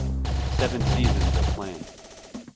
Seven seasons are planned.